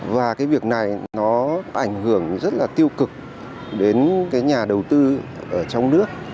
và cái việc này nó ảnh hưởng rất là tiêu cực đến cái nhà đầu tư ở trong nước